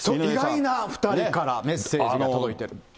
意外な２人からメッセージが届いてる。